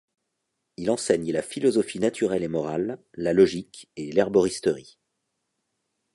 Il enseigne la Philosophie naturelle et morale, la Logique, et l'Herboristerie.